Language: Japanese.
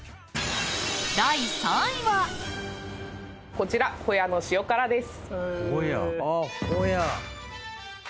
こちらほやの塩辛です。